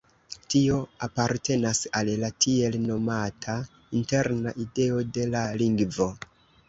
Tio apartenas al la tiel nomata interna ideo de la lingvo.